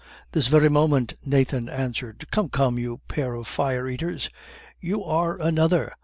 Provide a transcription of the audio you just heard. "This very moment," Nathan answered. "Come, come, you pair of fire eaters!" "You are another!"